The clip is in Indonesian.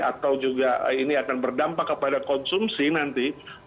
atau juga ini akan berdampak kepada konsumsi nanti